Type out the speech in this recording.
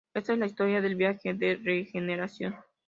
Esta es la historia del viaje de regeneración.